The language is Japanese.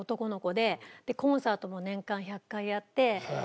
でコンサートも年間１００回やって。